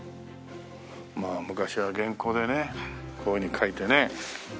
まあ昔は原稿でねこういうふうに書いてね。